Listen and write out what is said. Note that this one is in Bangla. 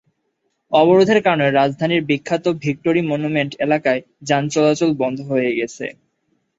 অবরোধের কারণে রাজধানীর বিখ্যাত ভিক্টরি মনুমেন্ট এলাকায় যান চলাচল বন্ধ হয়ে গেছে।